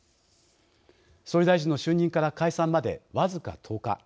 総理大臣の就任から解散まで僅か１０日。